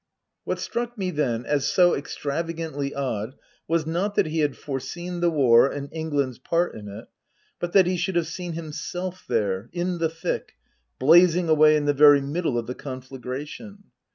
What struck me then as so extravagantly odd was, not that he had foreseen the war, and England's part in it, but that he should have seen himself there, in the thick blazing away in the very middle of the conflagration.